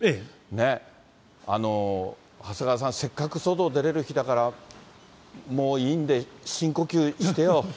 ねぇ、長谷川さん、せっかく外出れる日だから、もういいんで、深呼吸してよ。